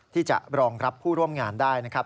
ที่จะรองรับผู้ร่วมงานได้นะครับ